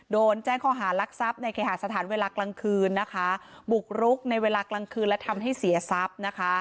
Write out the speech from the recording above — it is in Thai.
โดนแจ้งข้อหารักทรัพย์ในเคหาสถานเวลากลางคืนนะคะบุกรุกในเวลากลางคืนและทำให้เสียทรัพย์นะคะ